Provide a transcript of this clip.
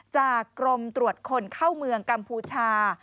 จากกรมตรวจคนเข้าเมืองกัมพูชา